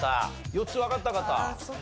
４つわかった方？